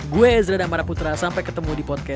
gue ezra damaraputra sampai ketemu di podcast